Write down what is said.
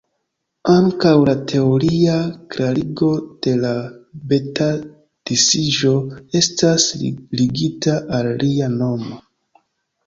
Ankaŭ la teoria klarigo de la beta-disiĝo estas ligita al lia nomo.